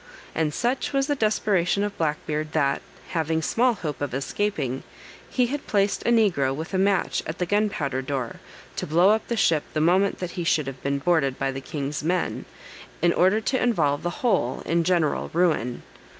And such was the desperation of Black Beard, that, having small hope of escaping, he had placed a negro with a match at the gunpowder door, to blow up the ship the moment that he should have been boarded by the king's men, in order to involve the whole in general ruin.